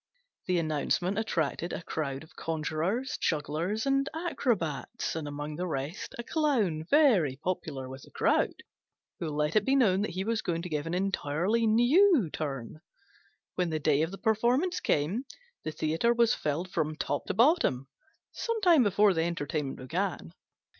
The announcement attracted a crowd of conjurers, jugglers, and acrobats, and among the rest a Clown, very popular with the crowd, who let it be known that he was going to give an entirely new turn. When the day of the performance came, the theatre was filled from top to bottom some time before the entertainment began.